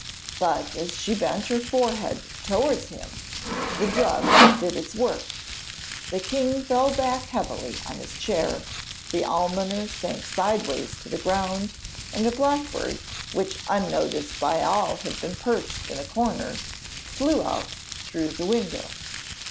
But as she bent her forehead towards him, the drug did its work; the king fell back heavily on his chair, the almoner sank sideways to the ground, and a blackbird, which unnoticed by all had been perched in a corner, flew out through the window.